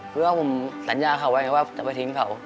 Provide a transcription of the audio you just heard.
เพื่อผมสัญญาเขาไว้ว่าจะไปทิ้งเขา